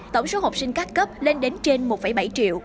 tổng số học sinh các cấp lên đến trên một bảy triệu